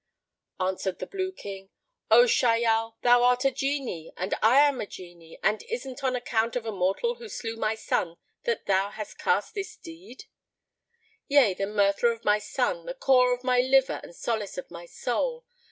Answered the Blue King, "O Shahyal, thou art a Jinni and I am a Jinni and is't on account of a mortal who slew my son that thou hast done this deed; yea, the murtherer of my son, the core of my liver and solace of my soul.